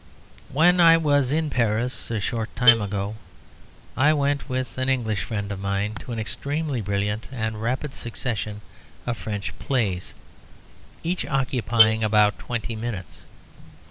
When I was in Paris a short time ago, I went with an English friend of mine to an extremely brilliant and rapid succession of French plays, each occupying about twenty minutes.